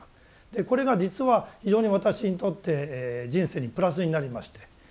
でこれが実は非常に私にとって人生にプラスになりまして